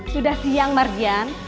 sudah siang mardian